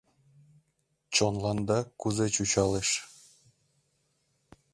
Чонланда кузе чучалеш?